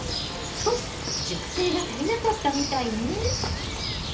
少し熟成が足りなかったみたいね。